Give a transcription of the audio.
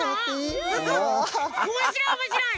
おもしろいおもしろい！